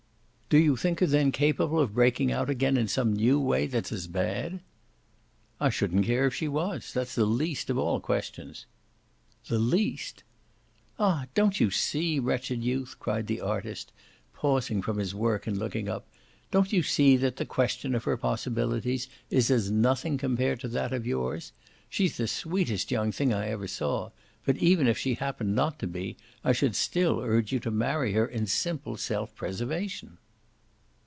"Do you think her then capable of breaking out again in some new way that's as bad?" "I shouldn't care if she was. That's the least of all questions." "The least?" "Ah don't you see, wretched youth," cried the artist, pausing from his work and looking up "don't you see that the question of her possibilities is as nothing compared to that of yours? She's the sweetest young thing I ever saw; but even if she happened not to be I should still urge you to marry her, in simple self preservation."